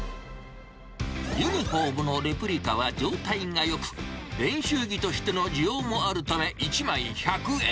ユニホームのレプリカは状態がよく、練習着としての需要もあるため、１枚１００円。